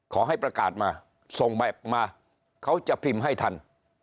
ขอให้ประกาศมาส่งแบบมาเขาจะพิมพ์ให้ทัน